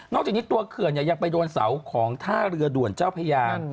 จากนี้ตัวเขื่อนยังไปโดนเสาของท่าเรือด่วนเจ้าพญา